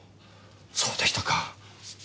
そうでしたか。